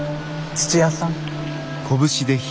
土屋さん。